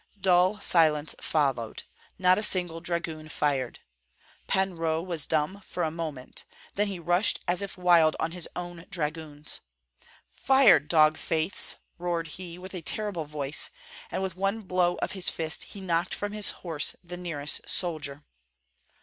Dull silence followed, not a single dragoon fired. Pan Roh was dumb for a moment; then he rushed as if wild on his own dragoons. "Fire, dog faiths!" roared he, with a terrible voice; and with one blow of his fist he knocked from his horse the nearest soldier.